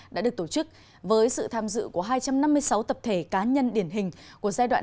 đã được tổ chức với sự tham dự của hai trăm năm mươi sáu tập thể cá nhân điển hình của giai đoạn hai nghìn một mươi hai nghìn hai